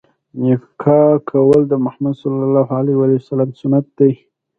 نکاح کول د مُحَمَّد ﷺ سنت دی.